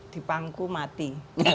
di panku mati